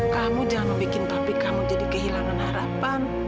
kamu jangan membuat tapi kamu jadi kehilangan harapan